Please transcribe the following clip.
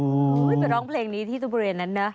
เป็นร้องเพลงนี้ที่ตรงบริเวณนั้นนะ